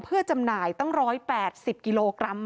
เพื่อจำหน่ายตั้ง๑๘๐กิโลกรัม